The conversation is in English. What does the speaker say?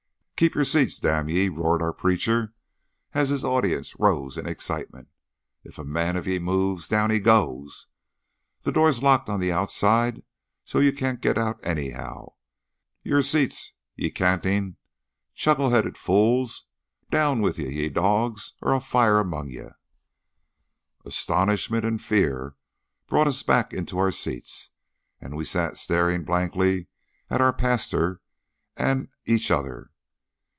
"Keep your seats, damn ye!" roared our preacher, as his audience rose in excitement. "If a man of ye moves down he goes! The door's locked on the outside, so ye can't get out anyhow. Your seats, ye canting, chuckle headed fools! Down with ye, ye dogs, or I'll fire among ye!" Astonishment and fear brought us back into our seats, and we sat staring blankly at our pastor and each other.